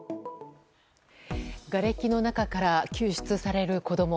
がれきの中から救出される子供。